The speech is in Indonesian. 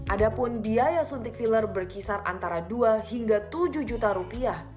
ada pun biaya suntik filler berkisar antara dua hingga tujuh juta rupiah